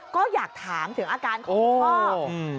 ก็อยากถามถึงอาการของพ่อ